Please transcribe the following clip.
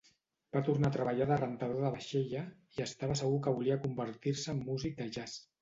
Va tornar a treballar de rentador de vaixella, i estava segur que volia convertir-se en músic de jazz.